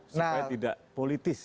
supaya tidak politis